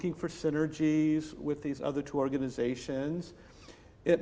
mencari sinergi dengan dua organisasi lainnya